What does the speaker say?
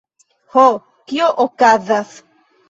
Ho, kio okazas?